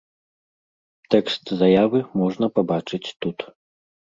Тэкст заявы можна пабачыць тут.